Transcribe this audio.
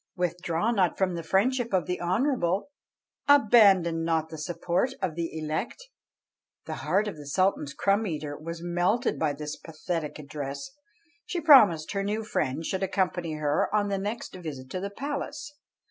Withdraw not from the friendship of the honourable; Abandon not the support of the elect." The heart of the Sultan's crumb eater was melted by this pathetic address; she promised her new friend should accompany her on the next visit to the palace.